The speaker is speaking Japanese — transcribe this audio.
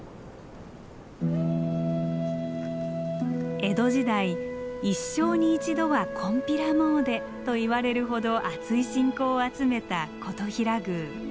江戸時代「一生に一度はこんぴら詣で」といわれるほどあつい信仰を集めた金刀比羅宮。